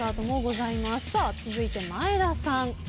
続いて前田さん。